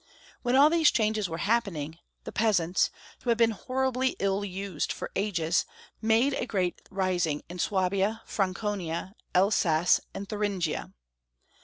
When all these changes were happening, the peasants, who had been horriblj^ ill used for ages, made a great rising in Swabia, Franconia, Elsass, and Thuringia.